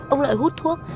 ông lợi hút thuốc